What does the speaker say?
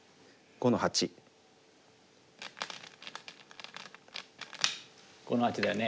５の八だよね。